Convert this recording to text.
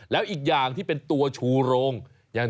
แล้วอีกอย่างที่เป็นตัวชูโรง